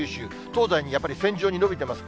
東西にやっぱり線状に延びてます。